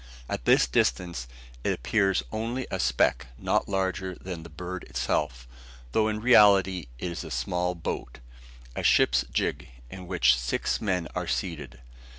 At this distance it appears only a speck not larger than the bird itself, though in reality it is a small boat, a ship's gig, in which six men are seated.